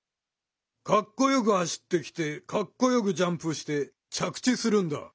かっこよく走ってきてかっこよくジャンプして着地するんだ。